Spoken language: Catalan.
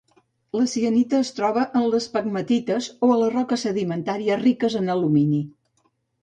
La cianita es troba en les pegmatites o a les roques sedimentàries riques en alumini.